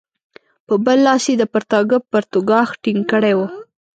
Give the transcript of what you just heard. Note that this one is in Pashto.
په بل لاس یې د پرتاګه پرتوګاښ ټینګ کړی وو.